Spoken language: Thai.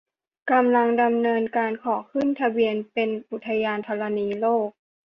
กำลังดำเนินการขอขึ้นทะเบียนเป็นอุทยานธรณีโลก